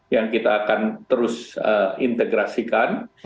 yang kita akan terus integrasikan